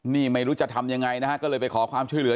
นี่ไม่รู้จะทำยังไงนะฮะก็เลยไปขอความช่วยเหลือ